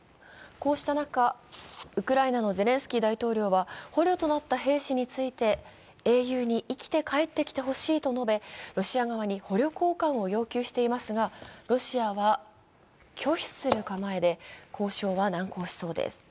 こうした中、ウクライナのゼレンスキー大統領は捕虜となった兵士について、英雄に生きて帰ってきてほしいと述べロシア側に捕虜交換を要求していますが、ロシアは拒否する構えで、交渉は難航しそうです。